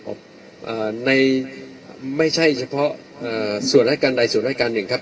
ในไม่ใช่เฉพาะอ่าส่วนรายการใดส่วนรายการหนึ่งครับ